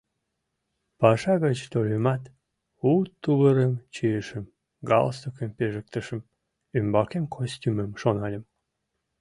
Паша гыч тольымат, у тувырым чийышым, галстукым пижыктышым, ӱмбакем костюмым шональым.